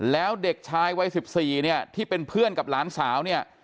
แล้วเด็กชายวัย๑๔เนี่ยที่เป็นเพื่อนกับหลานสาวเนี่ย